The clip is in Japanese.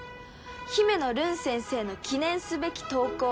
姫乃るん先生の記念すべき投稿